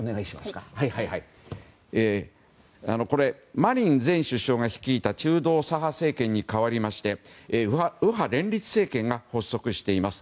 マリン前首相が率いた中道左派政権に代わりまして右派連立政権が発足しています。